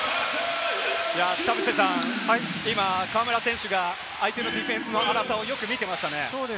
河村選手が相手のディフェンスの高さをよく見ていましたね。